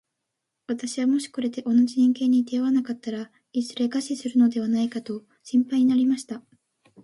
私はもしこれで同じ人間に出会わなかったら、いずれ餓死するのではないかと心配になりました。